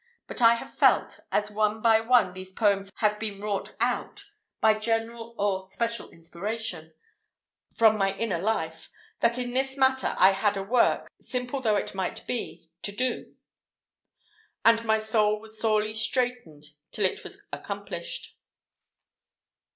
But I have felt, as one by one these poems have been wrought out by general or special inspiration from my "Inner Life," that in this matter I had a work, simple though it might be, to do, and my soul was sorely "straitened till it was accomplished."